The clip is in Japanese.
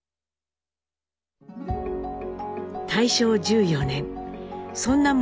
大正１４年そんな森